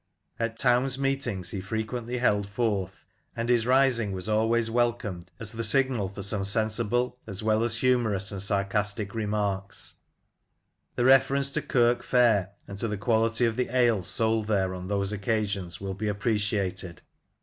At town's meetings he frequently held forth, and his rising was always welcomed as the signal for some sensible as well as humorous and sarcastic remarks. The reference to " Kirk Fair," and to the quality of the ales sold there on those occasions, will be appreciated.